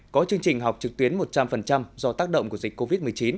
có chương trình học trực tuyến một trăm linh do tác động của dịch covid một mươi chín